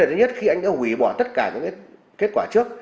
vấn đề thứ nhất khi anh đã hủy bỏ tất cả những cái kết quả trước